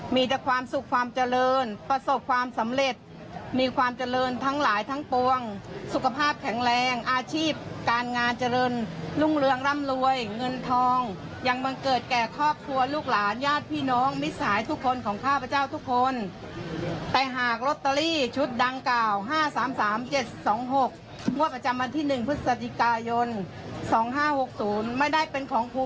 มีแต่ความสุขความเจริญประสบความสำเร็จมีความเจริญทั้งหลายทั้งปวงสุขภาพแข็งแรงอาชีพการงานเจริญรุ่งเรืองร่ำรวยเงินทองยังบังเกิดแก่ครอบครัวลูกหลานญาติพี่น้องมิสัยทุกคนของข้าพเจ้าทุกคนแต่หากลอตเตอรี่ชุดดังกล่าว๕๓๓๗๒๖งวดประจำวันที่๑พฤศจิกายน๒๕๖๐ไม่ได้เป็นของครู